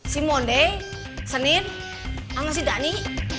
si mondi senin sama si dani